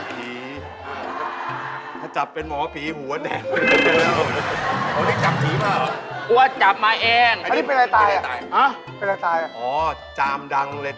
นี่เป็นผีที่อว่าจับไหว